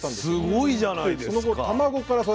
すごいじゃないですか。